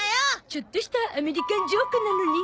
ちょっとしたアメリカンジョークなのに。